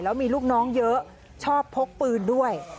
แล้วมีลูกน้องเยอะชอบพกปืนด้วย